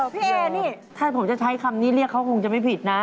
พี่เอนี่ถ้าผมจะใช้คำนี้เรียกเขาคงจะไม่ผิดนะ